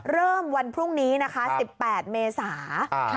วันพรุ่งนี้นะคะ๑๘เมษา